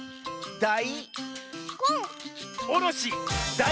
「だい」！